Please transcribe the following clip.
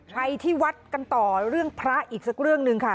ไปที่วัดกันต่อเรื่องพระอีกสักเรื่องหนึ่งค่ะ